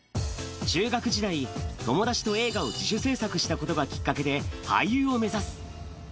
中学時代、友達と映画を自主制作したことがきっかけで、俳優を目指す。